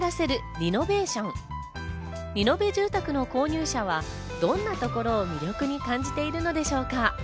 リノベ住宅の購入者は、どんなところを魅力に感じているのでしょうか？